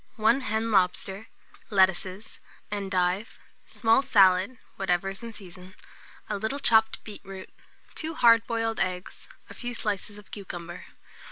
1 hen lobster, lettuces, endive, small salad (whatever is in season), a little chopped beetroot, 2 hard boiled eggs, a few slices of cucumber.